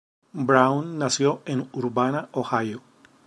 Brown nació en Urbana, Ohio.